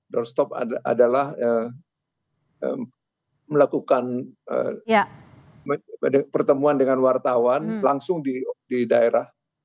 doorstop adalah melakukan pertemuan dengan wartawan langsung di daerah